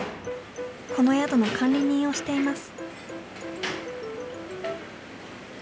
この宿の管理人をしています。